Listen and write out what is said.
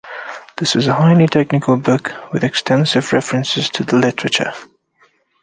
This is a highly technical book, with extensive references to the literature.